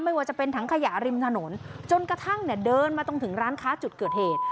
ไม่ว่าจะเป็นถังขยะริมถนนจนกระทั่งเนี่ยเดินมาตรงถึงร้านค้าจุดเกิดเหตุ